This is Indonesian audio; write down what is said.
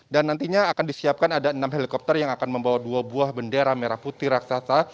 dan nantinya akan disiapkan ada enam helikopter yang akan membawa dua buah bendera merah putih raksasa